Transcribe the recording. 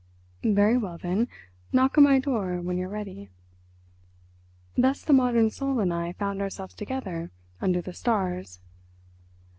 "Very well, then, knock on my door when you're ready." Thus the modern soul and I found ourselves together under the stars.